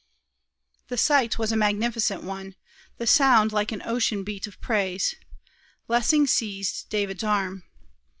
The sight was a magnificent one; the sound like an ocean beat of praise. Lessing seized David's arm.